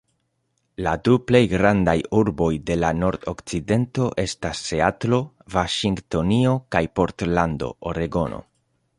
La du plej grandaj urboj de la nordokcidento estas Seatlo, Vaŝingtonio kaj Portlando, Oregono.